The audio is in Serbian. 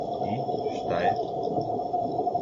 И, шта је?